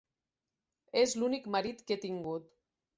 És l'únic marit que he tingut.